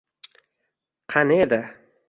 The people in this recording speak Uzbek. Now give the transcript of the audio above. qani edi